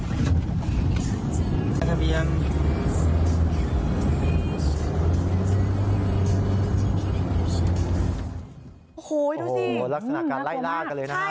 โอ้โหดูสิลักษณะการไล่ลากกันเลยนะครับ